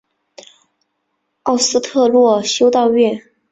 奥斯特洛修道院。